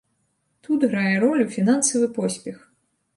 Тут грае ролю фінансавы поспех.